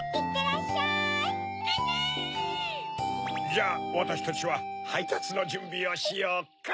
じゃあわたしたちははいたつのじゅんびをしようか。